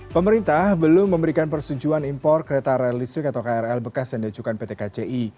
pemerintah belum memberikan persunjuan impor kereta realistik atau krl bekas yang dicukan pt kci